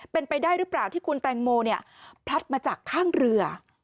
เป็นไปได้หรือเปล่าที่คุณแตงโมเนี่ยพลัดมาจากข้างเรือ